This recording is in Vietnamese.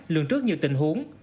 lường trước như tình huống